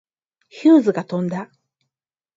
ヒューズが飛んだ。